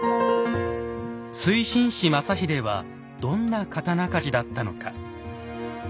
水心子正秀はどんな刀鍛冶だったのか。